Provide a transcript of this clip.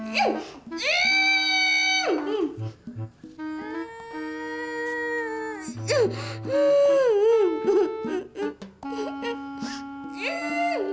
pindah pindah pindah pos pindah pos